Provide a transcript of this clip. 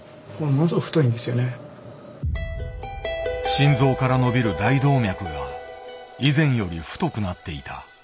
心臓からのびる大動脈が以前より太くなっていた。